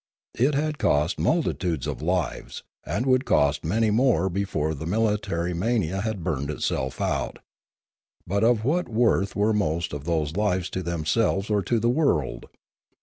It had cost multi tudes of lives, and would cost many more before the military mania had burned itself out ; but of what worth were most of those lives to themselves or to the world